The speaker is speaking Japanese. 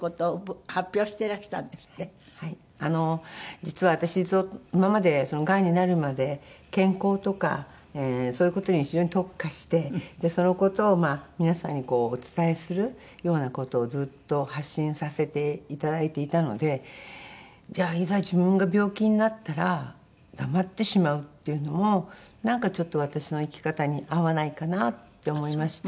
実は私今までがんになるまで健康とかそういう事に非常に特化してその事を皆さんにこうお伝えするような事をずっと発信させていただいていたのでじゃあいざ自分が病気になったら黙ってしまうっていうのもなんかちょっと私の生き方に合わないかなって思いまして。